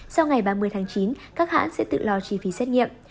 sau ngày ba mươi tháng chín các hãng sẽ tự lo chi phí xét nghiệm